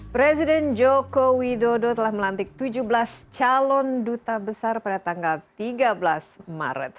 presiden joko widodo telah melantik tujuh belas calon duta besar pada tanggal tiga belas maret